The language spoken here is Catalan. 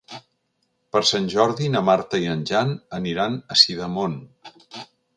Per Sant Jordi na Marta i en Jan aniran a Sidamon.